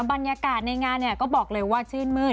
บรรยากาศในงานก็บอกเลยว่าชื่นมื้น